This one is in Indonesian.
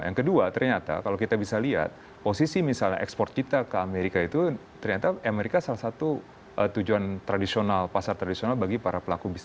yang kedua ternyata kalau kita bisa lihat posisi misalnya ekspor kita ke amerika itu ternyata amerika salah satu tujuan tradisional pasar tradisional bagi para pelaku bisnis